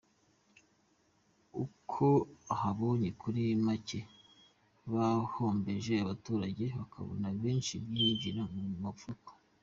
Uko ahabonye kuri make bahombeje umuturage bakabona menshi bashyira mu mifuko!